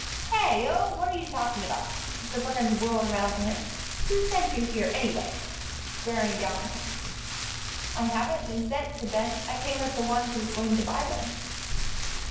"Hey? Oh! What are you talking about?" Mr. Perkins whirled around at him. "Who sent you here, anyway?" glaring down at him. "I haven't been sent," said Ben; "I came with the one who is going to buy them."